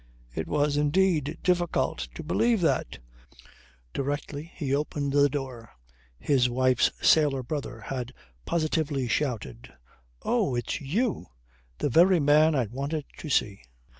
It was indeed difficult to believe that, directly he opened the door, his wife's "sailor brother" had positively shouted: "Oh, it's you! The very man I wanted to see."